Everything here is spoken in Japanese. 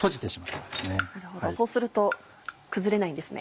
なるほどそうすると崩れないんですね。